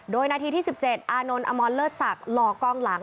โดยนาทีที่๑๗อานนท์อมรเลิศศักดิ์หล่อกองหลัง